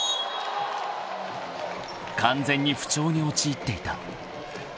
［完全に不調に陥っていた］